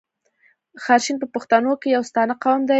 غرشین په پښتنو کښي يو ستانه قوم دﺉ.